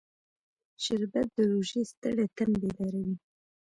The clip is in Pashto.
شربت د روژې ستړی تن بیداروي